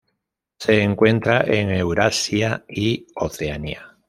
Se encuentra en Eurasia y Oceanía.